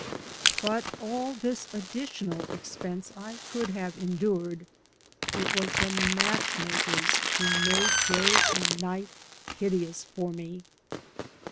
But all this additional expense I could have endured. It was the match makers who made day and night hideous for me.